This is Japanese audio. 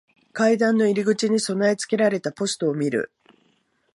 階段の入り口に備え付けられたポストを見る。